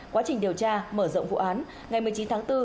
quá trình điều tra mở rộng vụ án ngày một mươi chín tháng bốn